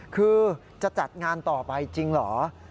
คือจะจัดงานต่อไปจริงเหรอ